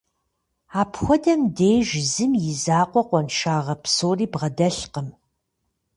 Апхуэдэм деж зым и закъуэ къуаншагъэ псори бгъэдэлъкъым.